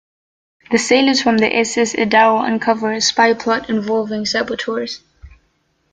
The sailors from the S. S. Idaho uncover a spy plot involving saboteurs.